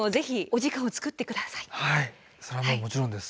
それはもうもちろんです。